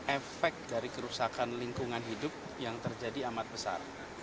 efek dari kerusakan lingkungan hidup yang terjadi amat besar